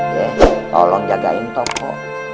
ya tolong jagain toko